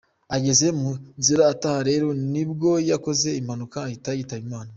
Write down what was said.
Ageze mu nzira ataha rero ni bwo yakoze impanuka ahita yitaba Imana.»